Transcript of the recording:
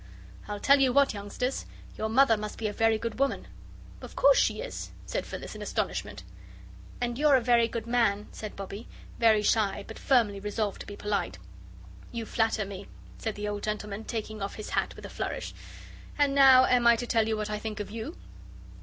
I'll tell you what, youngsters your mother must be a very good woman." "Of course she is," said Phyllis, in astonishment. "And you're a very good man," said Bobbie, very shy, but firmly resolved to be polite. "You flatter me," said the old gentleman, taking off his hat with a flourish. "And now am I to tell you what I think of you?"